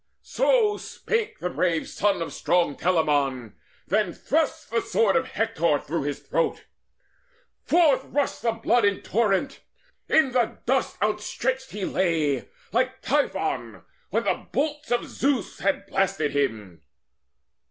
So spake the brave son of strong Telamon, Then thrust the sword of Hector through his throat. Forth rushed the blood in torrent: in the dust Outstretched he lay, like Typhon, when the bolts Of Zeus had blasted him.